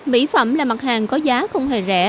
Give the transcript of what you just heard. mỹ phẩm là mặt hàng có giá không hề rẻ